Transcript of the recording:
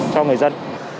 cho người dân